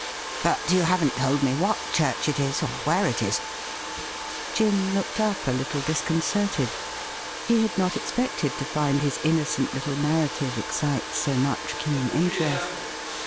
'But you haven't told me what chvu ch it is or where it is.' Jim looked up a little disconcerted. He had not ex pected to find his innocent little narrative excite so much keen interest.